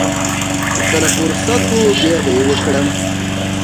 چې کله فرصت و بيا به يې وکړم.